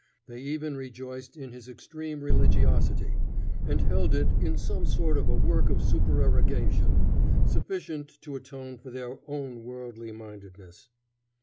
They even rejoiced in his extreme religiosity, and held it in some sort a work of supererogation, sufficient to atone for their own worldly mindedness.